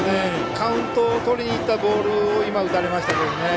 カウントをとりにいったボールを今、打たれましたけどね。